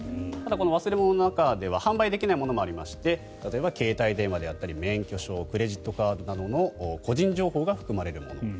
ただこの忘れ物の中では販売できないものもありまして例えば携帯電話であったり免許証、クレジットカードなどの個人情報が含まれるもの。